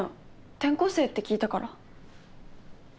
転校生って聞いたから。